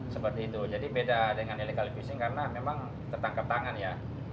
seperti itu jadi beda dengan illegal fishing karena memang tertangkap tangan ya